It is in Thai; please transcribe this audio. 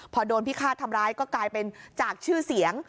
พอโดนพิฆาตทำร้ายก็กลายเป็นจากชื่อเสียง